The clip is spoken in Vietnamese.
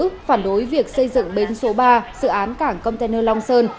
phản đối việc xây dựng bến số ba dự án cảng container long sơn